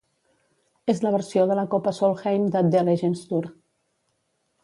És la versió de la Copa Solheim de The Legends Tour.